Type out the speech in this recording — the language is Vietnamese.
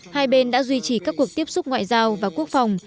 hai bên đã duy trì các cuộc tiếp xúc ngoại giao và quốc phòng